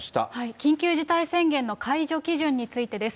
緊急事態宣言の解除基準についてです。